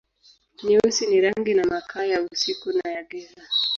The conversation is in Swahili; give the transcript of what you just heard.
Nyeusi ni rangi na makaa, ya usiku na ya giza.